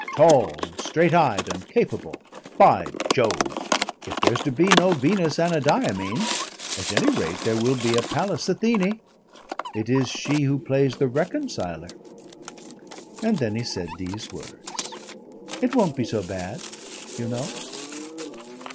"Tall and straight eyed and capable. By Jove! if there's to be no Venus Anadyomene, at any rate there will be a Pallas Athene. It is she who plays the reconciler." And then he said these words: "It won't be so bad, you know."